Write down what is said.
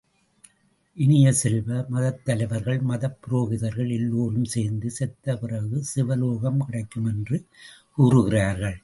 இனிய செல்வ, மதத் தலைவர்கள், மதப்புரோகிதர்கள், எல்லோரும் சேர்ந்து செத்தபிறகு சிவலோகம் கிடைக்கும் என்று கூறுகிறார்கள்.